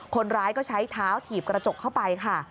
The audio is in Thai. คนร้ายก็ใช้เท้าถีบกระจกเข้าไปค่ะ